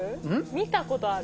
見たことある？